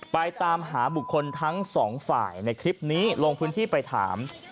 ไปตามหาบุคคลทั้งสองฝ่ายในคลิปนี้ลงพื้นที่ไปถาม